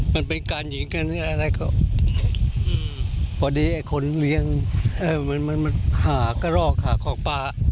มันเป็นการหยิงอะไรของพอดีไอ้คนเลี้ยงมันหาก็รอกหากองปลา